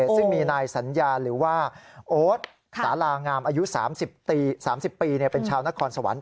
ซึ่งมีนายสัญญาหรือว่าโอ๊ตสารางามอายุ๓๐ปีเป็นชาวนครสวรรค